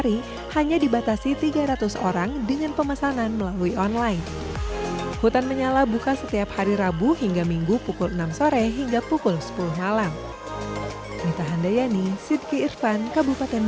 dan yang pastinya instagram mobile